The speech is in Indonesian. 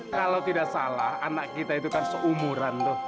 kalau tidak salah anak kita itu kan seumuran